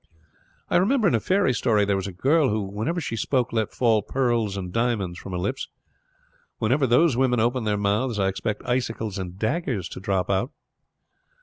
I remember in a fairy story there was a girl who whenever she spoke let fall pearls and diamonds from her lips; whenever those women open their mouths I expect icicles and daggers to drop out."